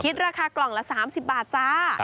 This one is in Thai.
ราคากล่องละ๓๐บาทจ้า